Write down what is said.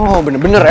oh bener bener ya